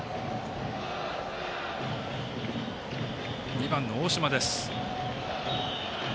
２番の大島です。